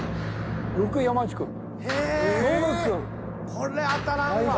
これ当たらんわ。